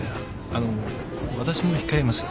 あの私も控えます。